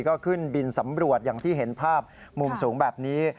ก็ขึ้นบินสำรวจอย่างที่เห็นภาพมุมสูงแบบนี้